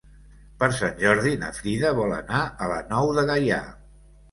Per Sant Jordi na Frida vol anar a la Nou de Gaià.